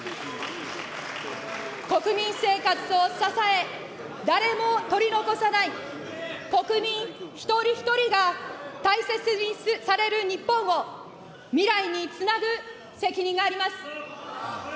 国民生活を支え、誰も取り残さない、国民一人一人が大切にされる日本を未来につなぐ責任があります。